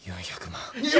４００万？